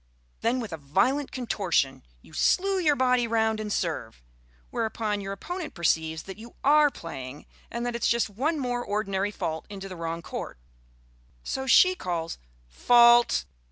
Then with a violent contortion you slue your body round and serve, whereupon your opponent perceives that you are playing, and that it is just one more ordinary fault into the wrong court. So she calls "Fault!"